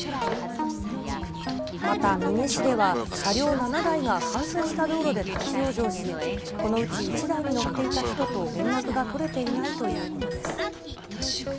また美祢市では、車両７台が冠水した道路で立往生し、このうち１台に乗っていた人と連絡が取れていないということです。